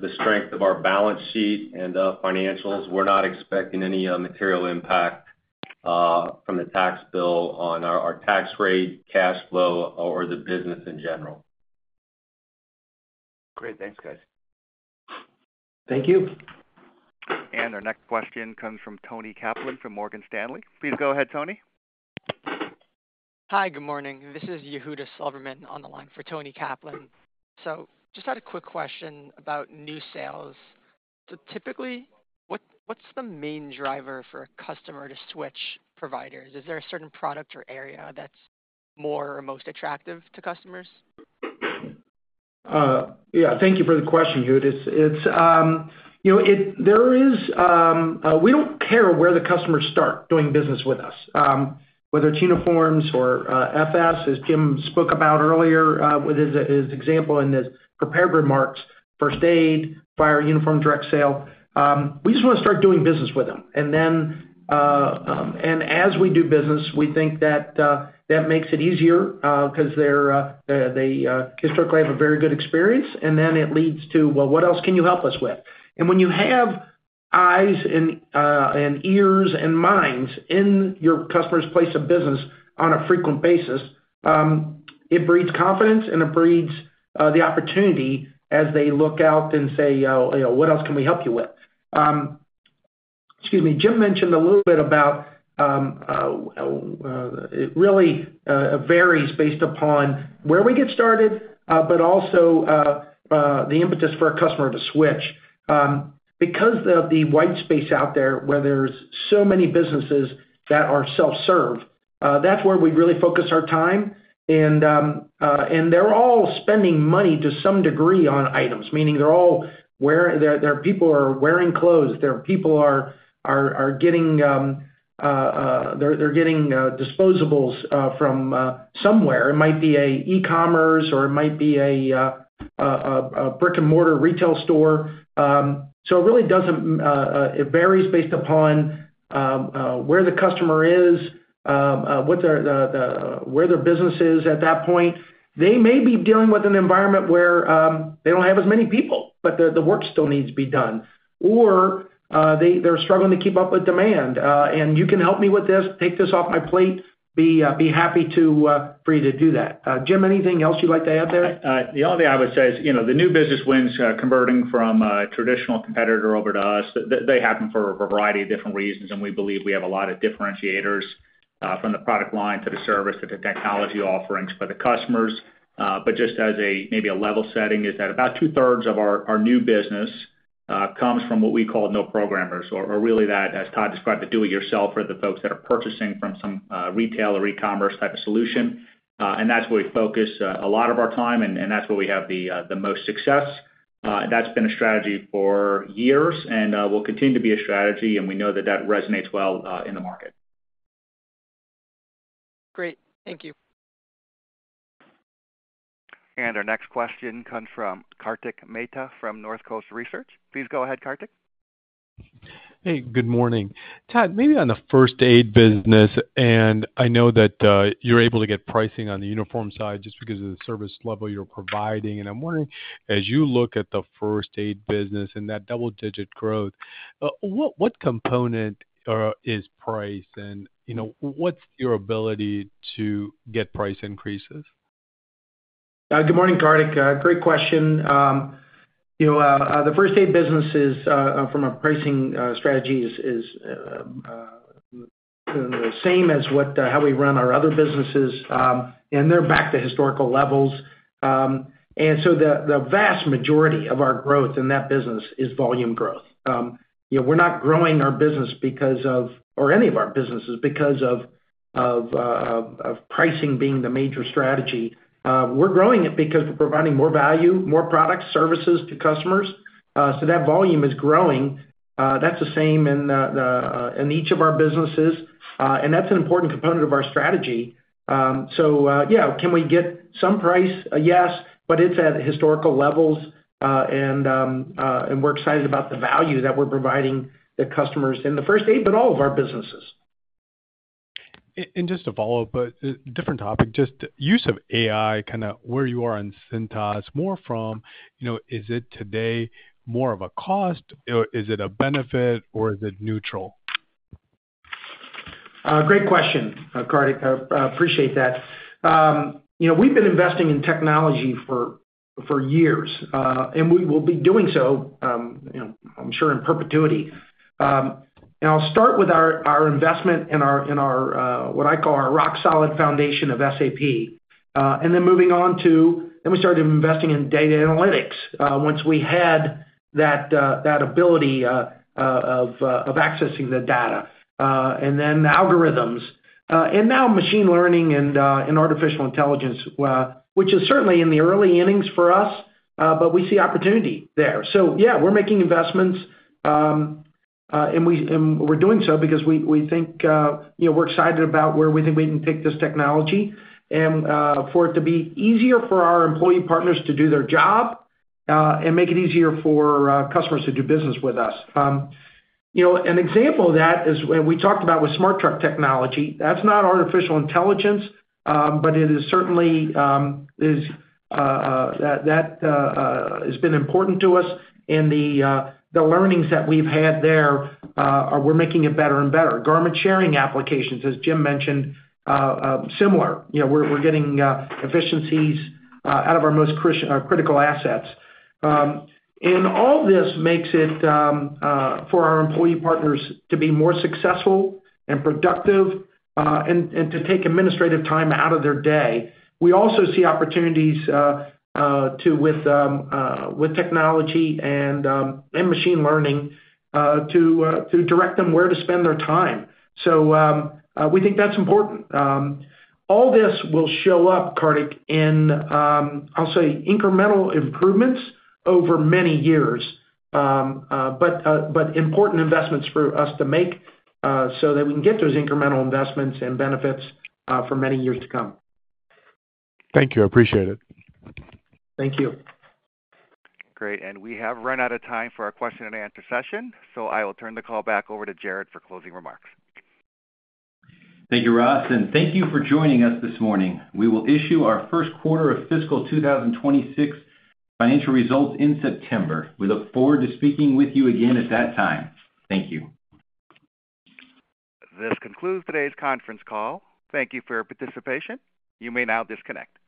the strength of our balance sheet and financials, we're not expecting any material impact. From the tax bill on our tax rate, cash flow, or the business in general. Great. Thanks, guys. Thank you. And our next question comes from Toni Kaplan from Morgan Stanley. Please go ahead, Toni. Hi. Good morning. This is Yehuda Silverman on the line for Toni Kaplan. So just had a quick question about new sales. Typically, what's the main driver for a customer to switch providers? Is there a certain product or area that's more or most attractive to customers? Yeah. Thank you for the question, Yehuda. There is. We don't care where the customers start doing business with us. Whether it's uniforms or FS, as Jim spoke about earlier with his example in his prepared remarks, first-aid, fire, uniform direct sale, we just want to start doing business with them. And as we do business, we think that makes it easier because they historically have a very good experience. And then it leads to, well, what else can you help us with? And when you have eyes and ears and minds in your customer's place of business on a frequent basis, it breeds confidence, and it breeds the opportunity as they look out and say, "What else can we help you with?" Excuse me. Jim mentioned a little bit about it. It really varies based upon where we get started, but also the impetus for a customer to switch because of the white space out there where there's so many businesses that are self-served, that's where we really focus our time. And they're all spending money to some degree on items, meaning they're all. People are wearing clothes. There are people getting disposables from somewhere. It might be an e-commerce, or it might be a brick-and-mortar retail store. So it really doesn't. It varies based upon where the customer is. Where their business is at that point. They may be dealing with an environment where they don't have as many people, but the work still needs to be done. Or they're struggling to keep up with demand. And you can help me with this, take this off my plate, be happy for you to do that. Jim, anything else you'd like to add there? The only thing I would say is the new business wins converting from a traditional competitor over to us. They happen for a variety of different reasons. And we believe we have a lot of differentiators from the product line to the service to the technology offerings for the customers. But just as maybe a level setting is that about 2/3 of our new business comes from what we call non-programmers, or really that, as Todd described, the do-it-yourself for the folks that are purchasing from some retail or e-commerce type of solution. And that's where we focus a lot of our time, and that's where we have the most success. That's been a strategy for years and will continue to be a strategy. And we know that that resonates well in the market. Great. Thank you. And our next question comes from Karthik Mehta from North Coast Research. Please go ahead, Karthik. Hey. Good morning. Todd, maybe on the first-aid business, and I know that you're able to get pricing on the uniform side just because of the service level you're providing. And I'm wondering, as you look at the first-aid business and that double-digit growth? What component is price? And what's your ability to get price increases? Good morning, Kartik. Great question. The first-aid businesses, from a pricing strategy, is the same as how we run our other businesses. And they're back to historical levels. And so the vast majority of our growth in that business is volume growth. We're not growing our business or any of our businesses because of pricing being the major strategy. We're growing it because we're providing more value, more products, services to customers. So that volume is growing. That's the same in each of our businesses. And that's an important component of our strategy. So yeah, can we get some price? Yes. But it's at historical levels. And we're excited about the value that we're providing the customers in the first aid, but all of our businesses. And just to follow up, but different topic, just use of AI, kind of where you are in Cintas, more or less. Is it today more of a cost? Is it a benefit? Or is it neutral? Great question, Karthik. Appreciate that. We've been investing in technology for years, and we will be doing so, I'm sure, in perpetuity, and I'll start with our investment in what I call our rock-solid foundation of SAP, and then moving on to, then we started investing in data analytics once we had that ability of accessing the data, and then algorithms, and now machine learning and artificial intelligence, which is certainly in the early innings for us, but we see opportunity there. So yeah, we're making investments, and we're doing so because we think we're excited about where we think we can take this technology and for it to be easier for our employee partners to do their job, and make it easier for customers to do business with us. An example of that is when we talked about with smart truck technology. That's not artificial intelligence, but it is certainly that has been important to us, and the learnings that we've had there, we're making it better and better. Garment sharing applications, as Jim mentioned. Similar, we're getting efficiencies out of our most critical assets, and all this makes it for our employee partners to be more successful and productive, and to take administrative time out of their day. We also see opportunities with technology and machine learning to direct them where to spend their time, so we think that's important. All this will show up, Kartik, in, I'll say, incremental improvements over many years, but important investments for us to make so that we can get those incremental investments and benefits for many years to come. Thank you. I appreciate it. Thank you. Great. And we have run out of time for our question and answer session. So I will turn the call back over to Jared for closing remarks. Thank you, Ross. And thank you for joining us this morning. We will issue our first quarter of fiscal 2026 financial results in September. We look forward to speaking with you again at that time. Thank you. This concludes today's conference call. Thank you for your participation. You may now disconnect.